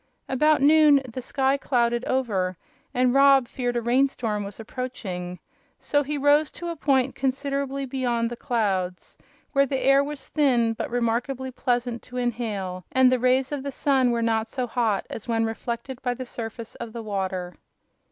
About noon the sky clouded over, and Rob feared a rainstorm was approaching. So he rose to a point considerably beyond the clouds, where the air was thin but remarkably pleasant to inhale and the rays of the sun were not so hot as when reflected by the surface of the water.